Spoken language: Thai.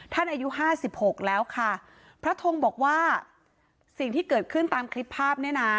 อายุห้าสิบหกแล้วค่ะพระทงบอกว่าสิ่งที่เกิดขึ้นตามคลิปภาพเนี่ยนะ